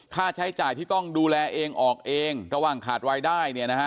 ค่าใช้จ่ายที่ต้องดูแลเองออกเองระหว่างขาดรายได้เนี่ยนะฮะ